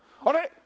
あれ？